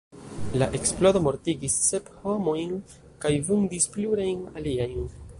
La eksplodo mortigis sep homojn kaj vundis plurajn aliajn.